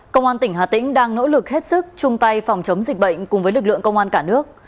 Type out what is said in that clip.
công an tỉnh hà tĩnh đang nỗ lực hết sức chung tay phòng chống dịch bệnh cùng với lực lượng công an cả nước